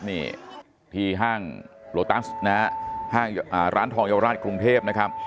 นี่ที่ห้างโลตัสนะฮะห้างร้านทองเยาวราชกรุงเทพนะครับ